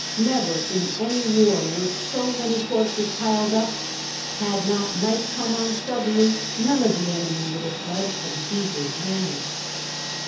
Never in any war were so many corpses piled up ; had not night come on suddenly, none of the enemy would have fled from Caesar's hands."